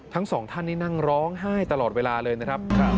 ทั้งสองท่านนี่นั่งร้องไห้ตลอดเวลาเลยนะครับ